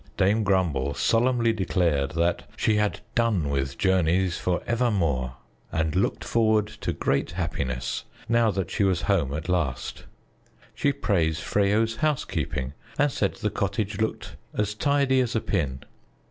Dame Grumble solemnly declared that she had done with journeys forevermore and looked forward to great happiness, now that she was home at last. She praised Freyo's housekeeping and said the cottage looked as tidy as a pin.